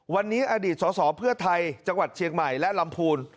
วันนี้อดีตสอสอเพื่อไทยจังหวัดเชียงใหม่และลำพูน